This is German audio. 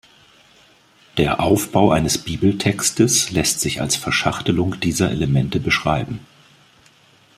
Der Aufbau eines Bibeltextes lässt sich als Verschachtelung dieser Elemente beschreiben.